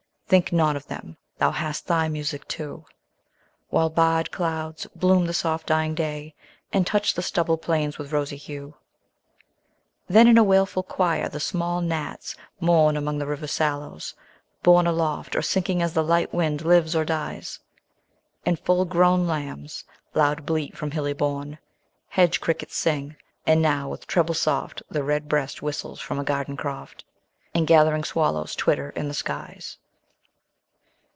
Think not of them, thou hast thy music too, While barred clouds bloom the soft dying day, And touch the stubble plains with rosy hue; Then in a wailful choir the small gnats mourn Among the river sallows, borne aloft Or sinking as the light wind lives or dies; And full grown lambs loud bleat from hilly bourn; 30 Hedge crickets sing; and now with treble soft The red breast whistles from a garden croft; And gathering swallows twitter in the skies.